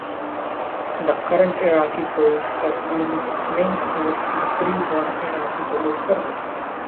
The current Iraqi Police has some links with the pre-war Iraqi police service.